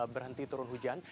berhenti turun hujan